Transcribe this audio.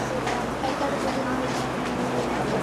Әгәр бөгөн минән: